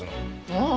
ああ！